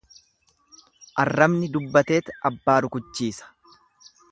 Arrabni dubbateet abbaa rukuchiisa.